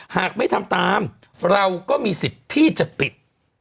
หากไม่ทำตามเราก็มีสิทธิ์ที่จะปิด